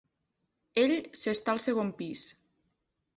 Ell s'està al segon pis.